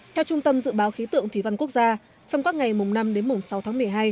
theo trung tâm dự báo khí tượng thủy văn quốc gia trong các ngày mùng năm đến mùng sáu tháng một mươi hai